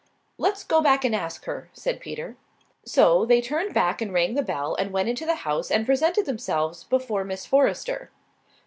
"Let's go back and ask her," said Peter. So they turned back and rang the bell and went into the house and presented themselves before Miss Forrester.